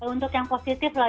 untuk yang positif lah